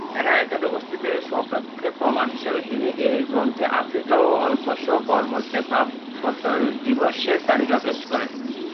এর একদা অস্তিত্বের সপক্ষে প্রমাণ হিসেবে তিনি এই গ্রন্থে আফ্রিকা ও আল্পস পর্বতে প্রাপ্ত বিভিন্ন জীবাশ্মের তালিকা পেশ করেন।